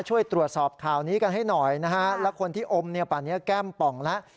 ช่วยตรวจสอบข่าวนี้กันให้หน่อยนะฮะแล้วคนที่อมเนี่ยป่านนี้แก้มป่องแล้ว